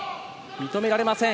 認められません。